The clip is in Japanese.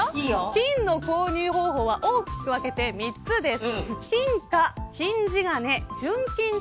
金の購入方法は大きく分けて３つです。